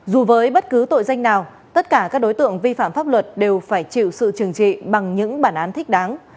dù với bất cứ tội danh nào tất cả các đối tượng vi phạm pháp luật đều phải chịu sự trừng trị bằng những bản án thích đáng